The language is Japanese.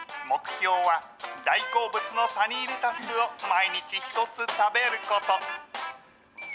目標は、大好物のサニーレタスを毎日１つ食べること。